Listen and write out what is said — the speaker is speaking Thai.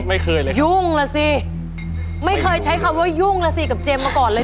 ไม่เคยเลยยุ่งล่ะสิไม่เคยใช้คำว่ายุ่งแล้วสิกับเจมส์มาก่อนเลย